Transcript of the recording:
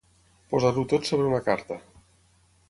Posar-ho tot sobre una carta.